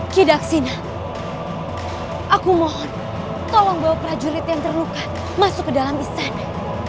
kidaksina aku mohon tolong bawa prajurit yang terluka masuk ke dalam istana